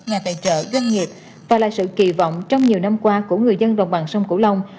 nhà tài trợ doanh nghiệp và là sự kỳ vọng trong nhiều năm qua của người dân đồng bằng sông cửu long